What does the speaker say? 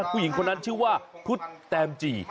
ผู้หญิงคนนั้นชื่อว่าพุทธแตมจี่